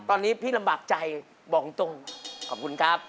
ตอนนี้พี่ลำบากใจบอกตรงขอบคุณครับ